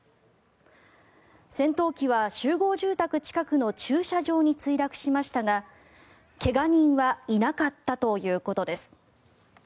戦闘機は集合住宅近くの駐車場に墜落しましたが怪我人はいなかったということです。